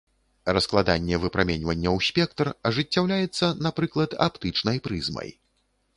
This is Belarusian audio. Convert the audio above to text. Раскладанне выпраменьвання ў спектр ажыццяўляецца, напрыклад, аптычнай прызмай.